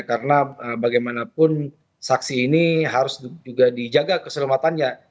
karena bagaimanapun saksi ini harus juga dijaga keselamatannya